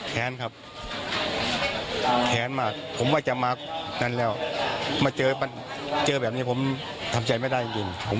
แค้นครับแค้นมากผมว่าจะมานั้นแล้วมาเจอแบบนี้ผมทำใจไม่ได้จริง